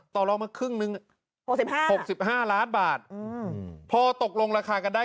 ต่อรองมาครึ่งหนึ่งหกสิบห้าหกสิบห้าล้านบาทอืมพอตกลงราคากันได้